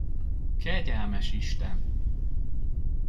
Kegyelmes isten!